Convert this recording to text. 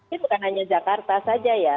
ini bukan hanya jakarta saja ya